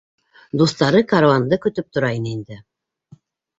Дуҫтары каруанды көтөп тора ине инде.